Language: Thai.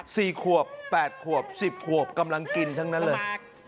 สี่ขวบแปดขวบสิบขวบกำลังกินทั้งนั้นเลย